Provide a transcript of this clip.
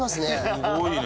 すごいね。